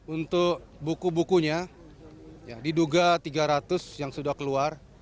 untuk buku bukunya diduga tiga ratus yang sudah keluar